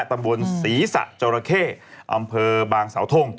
ตำบลศรีสะจราเข้อำเภอบางสาวทง